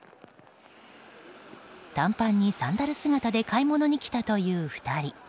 短パンにサンダル姿で買い物に来たという２人。